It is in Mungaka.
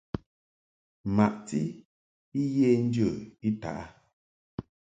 Maʼti I ye njə I taʼ a.